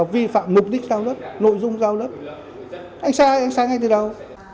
vi phạm mục đích giao đất nội dung giao đất anh sai anh sang ngay từ đầu